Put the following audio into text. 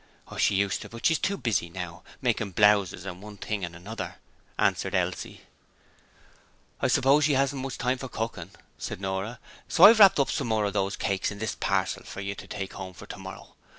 'She used to, but she's too busy now, making blouses and one thing and another,' Elsie answered. 'I suppose she hasn't much time for cooking,' said Nora, 'so I've wrapped up some more of those cakes in this parcel for you to take home for tomorrow.